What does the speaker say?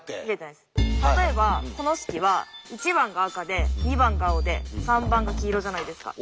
例えばこの式は１番が赤で２番が青で３番が黄色じゃないですか。